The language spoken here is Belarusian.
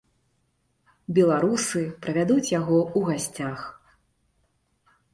Беларусы правядуць яго ў гасцях.